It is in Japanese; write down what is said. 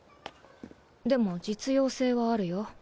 でも実用性はあるよ。